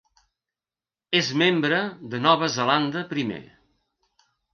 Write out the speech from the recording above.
És membre de Nova Zelanda Primer.